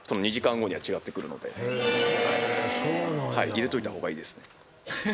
入れといた方がいいですね。